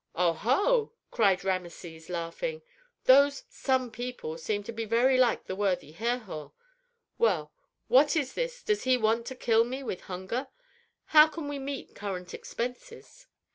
"Oh! ho!" cried Rameses, laughing. "Those 'some people' seem to me very like the worthy Herhor. Well, what is this; does he want to kill me with hunger? How can we meet current expenses?"